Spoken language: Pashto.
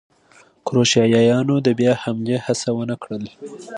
کروشیایانو د بیا حملې هڅه ونه کړل.